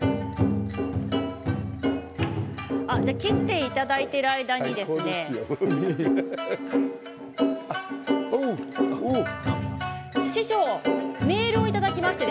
切っていただいている間に師匠、メールをいただきました。